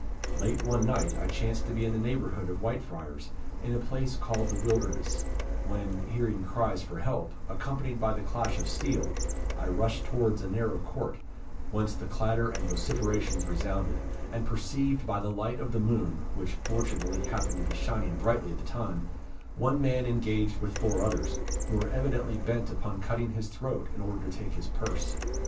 Late one night, I chanced to be in the neighbourhood of Whitefriars, in a place called the Wilderness, when, hearing cries for help, accompanied by the clash of steel, I rushed towards a narrow court, whence the clatter and vociferations resounded, and perceived by the light of the moon, which fortunately happened to be shining brightly at the time, one man engaged with four others, who were evidently bent upon cutting his throat in order to take his purse.